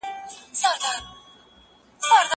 زه مخکي کتابونه وړلي وو؟